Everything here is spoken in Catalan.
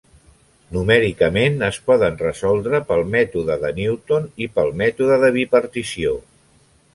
Numèricament es poden resoldre pel mètode de Newton i pel mètode de bipartició.